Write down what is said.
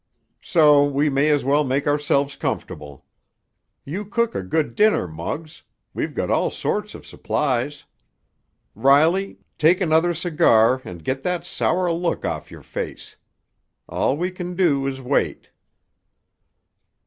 "So we may as well make ourselves comfortable. You cook a good dinner, Muggs—we've got all sorts of supplies. Riley, take another cigar and get that sour look off your face. All we can do is wait."